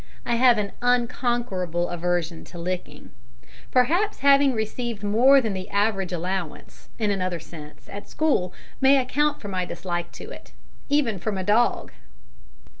I have an unconquerable aversion to licking. Perhaps having received more than an average allowance, in another sense, at school, may account for my dislike to it even from a dog!